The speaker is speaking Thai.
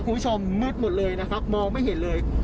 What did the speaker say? คุณผู้ชมมืดหมดเลยนะครับมองไม่เห็นเลย